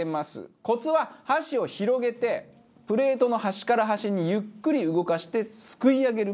コツは箸を広げてプレートの端から端にゆっくり動かしてすくい上げる事です。